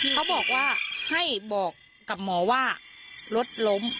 เขาบอกว่าให้บอกกับหมอว่ารถล้ม